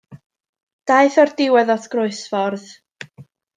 Daeth o'r diwedd at groesffordd.